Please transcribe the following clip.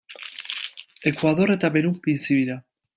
Ekuador eta Perun bizi dira.